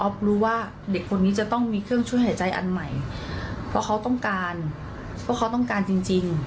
รู้ว่าเด็กคนนี้จะต้องมีเครื่องช่วยหายใจอันใหม่เพราะเขาต้องการเพราะเขาต้องการจริงจริง